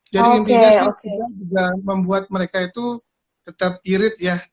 jadi intinya sih juga membuat mereka itu tetap irit ya